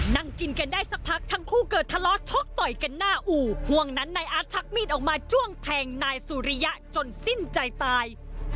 นั่งกินกันได้สักพักทั้งคู่เกิดทะเลาะชกต่อยกันหน้าอู่ห่วงนั้นนายอาร์ตทักมีดออกมาจ้วงแทงนายสุริยะจนสิ้นใจตาย